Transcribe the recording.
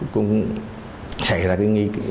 cũng xảy ra cái nghi kỳ